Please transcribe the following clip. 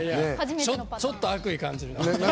ちょっと悪意感じる。